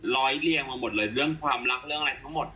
เรียงมาหมดเลยเรื่องความรักเรื่องอะไรทั้งหมด